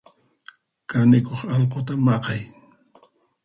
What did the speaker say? Kanikuq alquta maqay.